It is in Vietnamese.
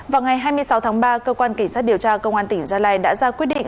vào ngày hai mươi sáu tháng ba cơ quan cảnh sát điều tra công an tỉnh gia lai đã ra quyết định